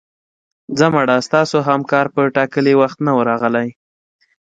ځه مړه ستاسو همکار په ټاکلي وخت نه و راغلی